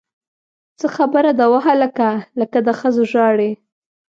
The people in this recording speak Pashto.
څه خبره ده وهلکه! لکه د ښځو ژاړې!